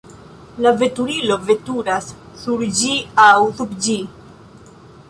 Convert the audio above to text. La veturilo veturas sur ĝi aŭ sub ĝi.